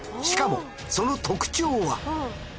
しかもその特徴は。